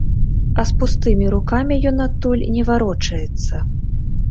А з пустымі рукамі ён адтуль не варочаецца.